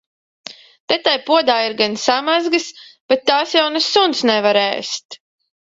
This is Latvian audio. Te tai podā ir gan samazgas, bet tās jau ne suns nevar ēst.